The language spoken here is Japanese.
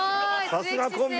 さすがコンビ！